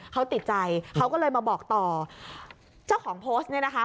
เขาติดใจเขาก็เลยมาบอกต่อเจ้าของโพสต์เนี่ยนะคะ